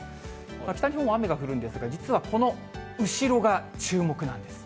北日本は雨が降るんですが、実はこの後ろが、注目なんです。